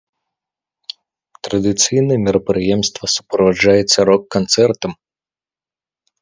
Традыцыйна мерапрыемства суправаджаецца рок-канцэртам.